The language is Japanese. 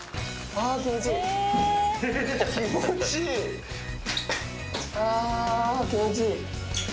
あぁ気持ちいい。